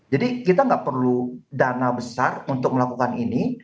jadi kita nggak perlu dana besar untuk melakukan ini